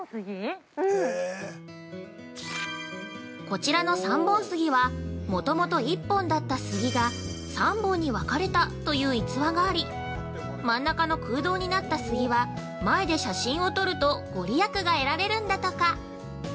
◆こちらの三本杉はもともと１本だった杉が３本に分かれたという逸話があり真ん中の空洞になった杉は前で写真を撮るとご利益が得られるんだとか。